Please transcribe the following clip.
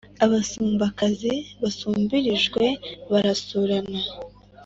Abasumbakazi basumbirijwe barasurana